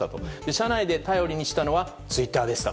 車内で頼りにしたのはツイッターでした。